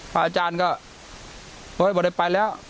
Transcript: พระอาจารย์ก็บอกว่าได้ไปแล้ว